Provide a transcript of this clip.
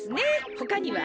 ほかには？